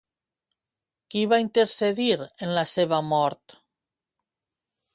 Qui va intercedir en la seva mort?